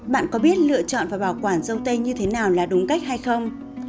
bạn có biết lựa chọn và bảo quản dâu tây như thế nào là đúng cách hay không